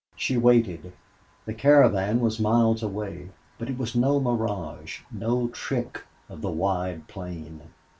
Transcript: She waited. The caravan was miles away. But it was no mirage, no trick of the wide plain!